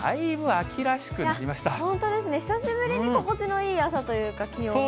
本当ですね、久しぶりに心地のいい朝というか、気温が。